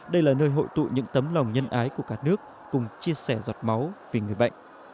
đây là nơi hội tụ những tấm lòng nhân ái của cả nước cùng chia sẻ giọt máu vì người bệnh